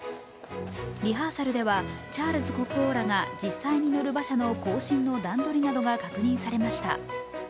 リハーサルではチャールズ国王らが実際に乗る馬車の行進の段取りなどが確認されました。